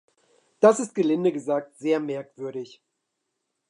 Das ist gelinde gesagt sehr merkwürdig.